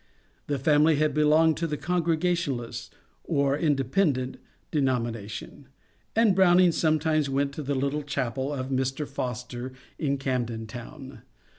The family had belonged to the Congregation aHst (or Independent) denomination, and Browning some times went to the little chapel of Mr. Foster in Camden Town.